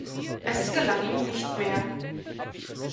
Es gelang ihm nicht mehr.